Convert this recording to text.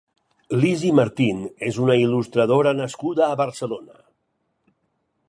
Lisi Martín és una il·lustradora nascuda a Barcelona.